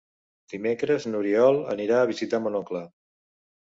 Dimecres n'Oriol anirà a visitar mon oncle.